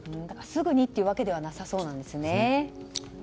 すぐに、というわけではなさそうなんですね。